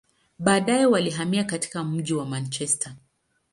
Baadaye, walihamia katika mji wa Manchester.